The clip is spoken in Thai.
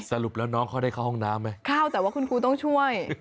สรุปแล้วน้องเขาได้เข้าห้องน้ำไหมเข้าแต่ว่าคุณครูต้องช่วย